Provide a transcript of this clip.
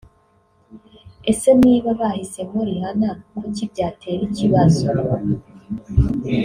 Ese niba bahisemo Rihanna kuki byatera ikibazo